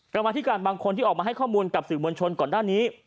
กรรมธิการบางคนที่ออกมาให้ข้อมูลกับสื่อมวลชนก่อนหน้านี้